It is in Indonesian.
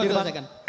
saya mau selesaikan